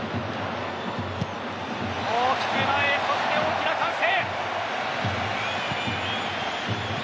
大きく前へそして大きな歓声。